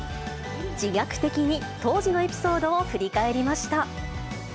自虐的に、当時のエピソードを振り返りました。